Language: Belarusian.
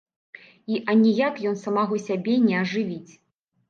І аніяк ён самога сябе не ажывіць.